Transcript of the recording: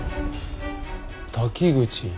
滝口。